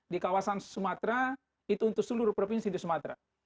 di kawasan sumatera itu untuk seluruh provinsi di sumatera